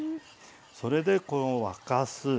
それでこの沸かす。